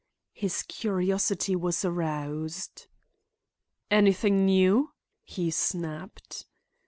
His curiosity was aroused. "Anything new?" he snapped.